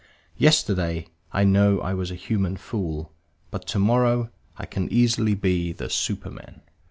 Yesterday, I know I was a human fool, but to morrow I can easily be the Superman.